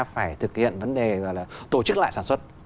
phải thực hiện vấn đề là tổ chức lại sản xuất